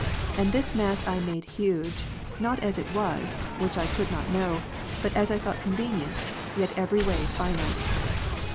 And this mass I made huge, not as it was, (which I could not know,) but as I thought convenient, yet every way finite.